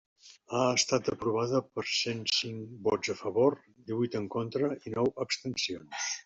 Ha estat aprovada per cent cinc vots a favor, divuit en contra i nou abstencions.